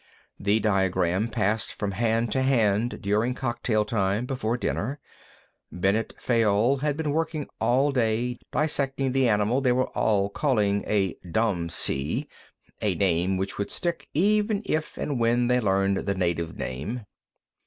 The diagram passed from hand to hand during cocktail time, before dinner. Bennet Fayon had been working all day dissecting the animal they were all calling a domsee, a name which would stick even if and when they learned the native name.